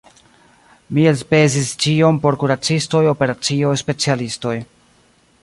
Mi elspezis ĉion por kuracistoj, operacioj, specialistoj.